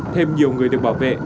thêm nhiều người được bảo vệ